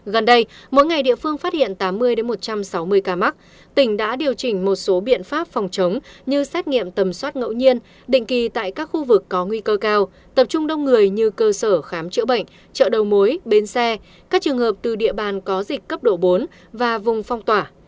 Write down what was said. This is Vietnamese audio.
gần đây mỗi ngày địa phương phát hiện tám mươi một trăm sáu mươi ca mắc tỉnh đã điều chỉnh một số biện pháp phòng chống như xét nghiệm tầm soát ngẫu nhiên định kỳ tại các khu vực có nguy cơ cao tập trung đông người như cơ sở khám chữa bệnh chợ đầu mối bến xe các trường hợp từ địa bàn có dịch cấp độ bốn và vùng phong tỏa